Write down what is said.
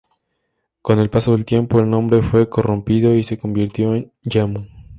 Con el paso del tiempo, el nombre fue corrompido y se convirtió en "Jammu".